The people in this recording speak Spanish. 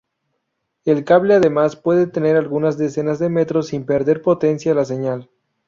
El cable además puede tener algunas decenas de metros sin perder potencia la señal.